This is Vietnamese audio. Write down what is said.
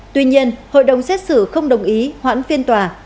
tuy nhiên hội đồng xét xử không đồng ý hoãn phiên tòa